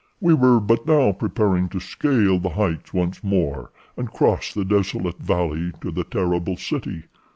We were but now preparing to scale the heights once more and cross the desolate valley to the terrible city."